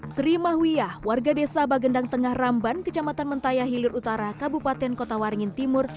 sri mahwiyah warga desa bagendang tengah ramban kecamatan mentaya hilir utara kabupaten kota waringin timur